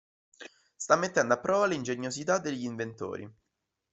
Sta mettendo a prova la ingegnosità degli inventori.